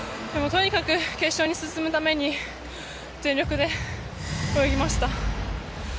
とにかく決勝に進むために全力で泳ぎました。